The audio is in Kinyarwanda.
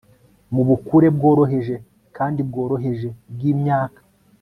Mubukure bworoheje kandi bworoheje bwimyaka